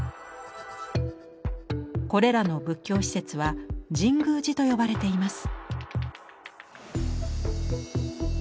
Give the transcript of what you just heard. これらの仏教施設は「神宮寺」と呼ばれています。